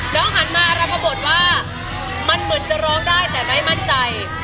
หันมารับปรากฏว่ามันเหมือนจะร้องได้แต่ไม่มั่นใจ